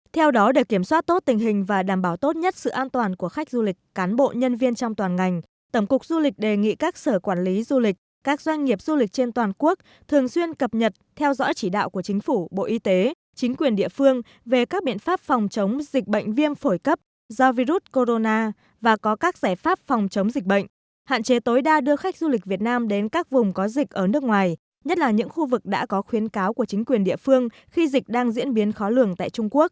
theo đó để kiểm soát tốt tình hình và đảm bảo tốt nhất sự an toàn của khách du lịch cán bộ nhân viên trong toàn ngành tổng cục du lịch đề nghị các sở quản lý du lịch các doanh nghiệp du lịch trên toàn quốc thường xuyên cập nhật theo dõi chỉ đạo của chính phủ bộ y tế chính quyền địa phương về các biện pháp phòng chống dịch bệnh viêm phổi cấp do virus corona và có các giải pháp phòng chống dịch bệnh hạn chế tối đa đưa khách du lịch việt nam đến các vùng có dịch ở nước ngoài nhất là những khu vực đã có khuyến cáo của chính quyền địa phương khi dịch đang diễn ra